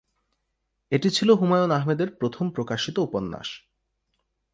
এটি ছিল হুমায়ূন আহমেদের প্রথম প্রকাশিত উপন্যাস।